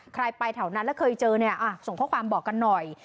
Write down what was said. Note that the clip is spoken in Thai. ไปแถวนั้นแล้วเคยเจอเนี่ยส่งข้อความบอกกันหน่อย